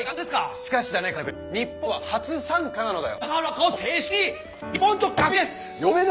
しかしだね金栗君日本は初参加なのだよ。